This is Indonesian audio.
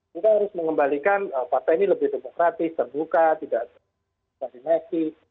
kita harus mengembalikan partai ini lebih demokratis terbuka tidak koordinasi